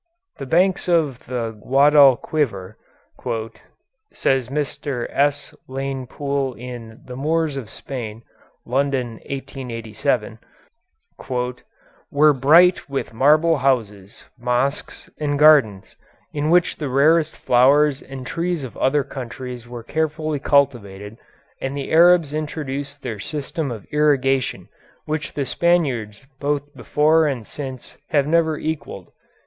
"The banks of the Guadalquivir," says Mr. S. Lane Poole in "The Moors in Spain" (London, 1887), "were bright with marble houses, mosques, and gardens, in which the rarest flowers and trees of other countries were carefully cultivated, and the Arabs introduced their system of irrigation which the Spaniards both before and since have never equalled."